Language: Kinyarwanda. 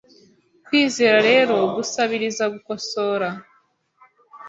Kwizera rero gusabiriza gukosora